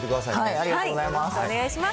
ありがとうございます。